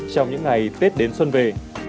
trong những ngày tết đến xuân về